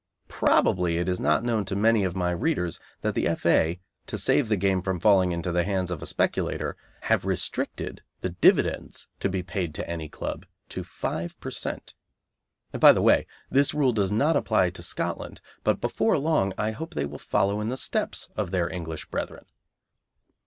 Probably it is not known to many of my readers that the F.A., to save the game from falling into the hands of a speculator, have restricted the dividends to be paid to any club to 5 per cent. By the way, this rule does not apply to Scotland, but before long I hope they will follow in the steps of their English brethren.